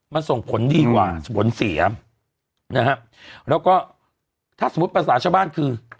มันส่งผลดีกว่าผลเสียนะฮะแล้วก็ถ้าสมมุติภาษาชาวบ้านคือ